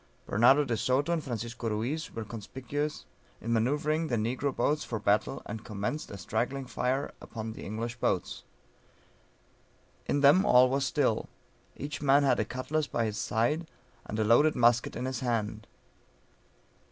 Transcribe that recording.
Bernardo de Soto and Francisco Ruiz were conspicuous, in manoeuvring the negro boats for battle, and commenced a straggling fire upon the English boats. In them all was still, each man had a cutlass by his side, and a loaded musket in his hand.